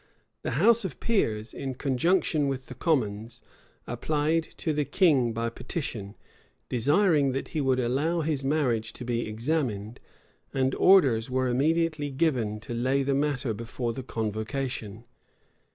The house of peers, in conjunction with the commons, applied to the king by petition, desiring that he would allow his marriage to be examined; and orders were immediately given to lay the matter before the convocation.